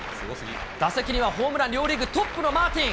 打席にはホームラン両リーグトップのマーティン。